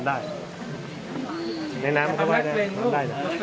ไม่ได้ต้องห่วงเวลาเสร็จ